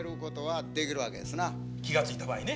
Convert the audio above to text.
気が付いた場合ね。